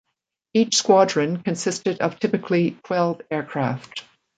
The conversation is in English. Each squadron consisted of typically twelve aircraft.